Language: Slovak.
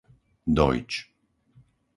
Dojč